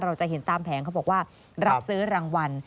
เราจะเห็นตามแผงเขาบอกว่ารับซื้อรางวัล